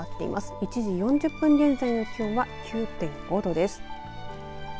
１時４０分現在の気温は９．５度です。